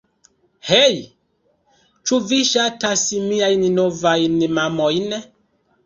Hej, ĉu vi ŝatas miajn novajn mamojn?